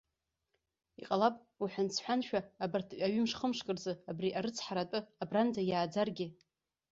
Иҟалап, уҳәан-сҳәаншәа, абарҭ аҩымш-хымшк рзы, абри арыцҳара атәы абранӡа иааӡаргьы.